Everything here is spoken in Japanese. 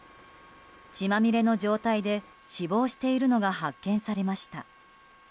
血まみれの状態で死亡しているのが見つかりました。